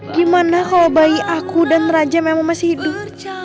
gimana kalau bayi aku dan raja memang masih hidup